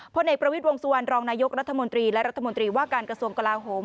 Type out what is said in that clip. เอกประวิทย์วงสุวรรณรองนายกรัฐมนตรีและรัฐมนตรีว่าการกระทรวงกลาโหม